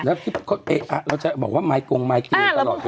แล้วพี่เขาเอกอัดเราจะบอกว่าไมค์กรงไมค์เกณฑ์ตลอดเวลาเลย